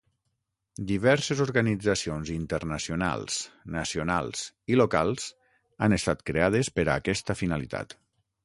Diverses organitzacions internacionals, nacionals i locals han estat creades per a aquesta finalitat.